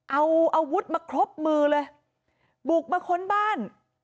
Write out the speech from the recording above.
เอาอาวุธมาครบมือเลยบุกมาค้นบ้าน